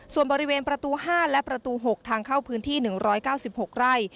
ส่วนบริเวณประตู๕และประตู๖ทางเข้าพื้นที่๑๙๖ไร่